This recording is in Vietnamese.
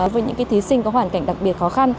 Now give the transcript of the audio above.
với những thí sinh có hoàn cảnh đặc biệt khó khăn